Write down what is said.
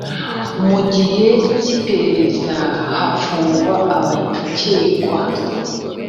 mu gihe cyiperereza hafungwa abakekwa